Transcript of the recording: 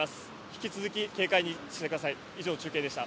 引き続き警戒してください。